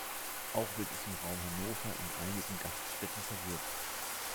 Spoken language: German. Auch wird es im Raum Hannover in einigen Gaststätten serviert.